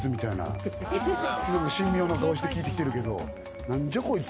神妙な顔して聞いてきてるけど。